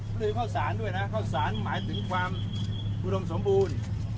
ลืมข้าวสารด้วยนะข้าวสารหมายถึงความอุดมสมบูรณ์